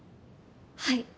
はい。